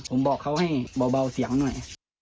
ผมบอกเขาให้เบาเสียงหน่อย